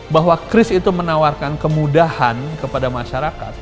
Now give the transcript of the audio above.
bahwa kris itu menawarkan kemudahan kepada masyarakat